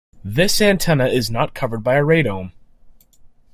This antenna is not covered by a radome.